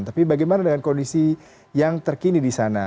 tapi bagaimana dengan kondisi yang terkini di sana